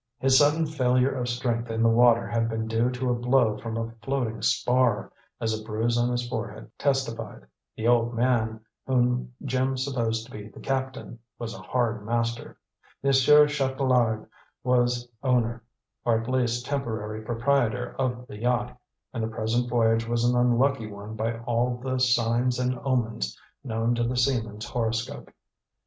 His sudden failure of strength in the water had been due to a blow from a floating spar, as a bruise on his forehead testified; "the old man," whom Jim supposed to be the captain, was a hard master; Monsieur Chatelard was owner, or at least temporary proprietor, of the yacht; and the present voyage was an unlucky one by all the signs and omens known to the seamen's horoscope.